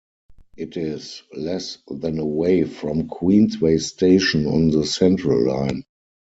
It is less than away from Queensway station on the Central line.